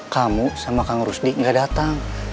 kamu sama kang rusdi nggak datang